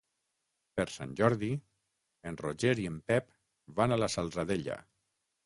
Per Sant Jordi en Roger i en Pep van a la Salzadella.